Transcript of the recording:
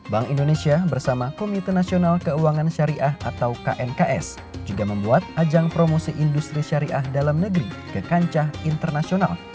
bank indonesia bersama komite nasional keuangan syariah atau knks juga membuat ajang promosi industri syariah dalam negeri ke kancah internasional